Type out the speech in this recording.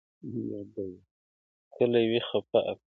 كله وي خپه اكثر,